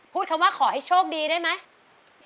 คำว่าขอให้โชคดีได้ไหม